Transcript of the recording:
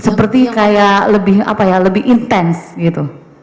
seperti kaya lebih apa ya lebih intense gitu